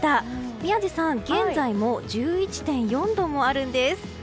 宮司さん、現在も１１．４度もあるんです。